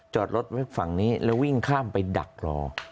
จอดรถไว้ฝั่งนี้แล้ววิ่งข้ามไปดักรอ